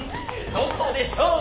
どこでしょう？